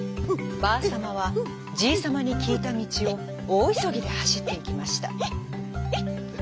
ばあさまはじいさまにきいたみちをおおいそぎではしっていきました。